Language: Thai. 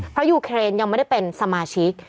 เพราะยูเครนยังไม่ได้เป็นสมาชิก